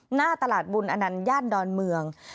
หน้าตลาดบุญอนันต์ย่านดอนเมือง